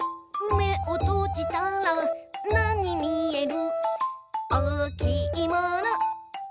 「めをとじたらなにみえる？」